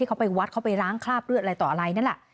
เขาไปวัดเขาไปล้างคราบเลือดอะไรต่ออะไรนั่นแหละ